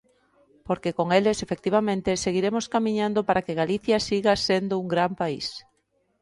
Porque con eles, efectivamente, seguiremos camiñando para que Galicia siga sendo un gran país.